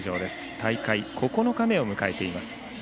大会９日目を迎えています。